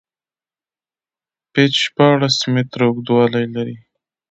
پېچ شپاړس میتره اوږدوالی لري.